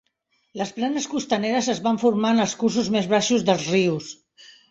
Les planes costaneres es van formar en els cursos més baixos dels rius.